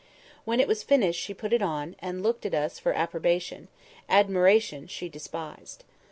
When it was finished she put it on, and looked at us for approbation—admiration she despised.